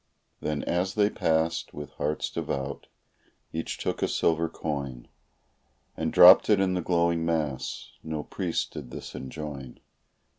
Then as they passed, with hearts devout, each took a silver coin And dropped it in the glowing mass no priest did this enjoin.